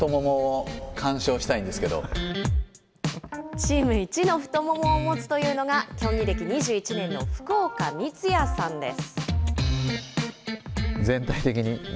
チーム１の太ももを持つというのが、競技歴２１年の福岡充弥さんです。